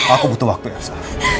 aku butuh waktu elsa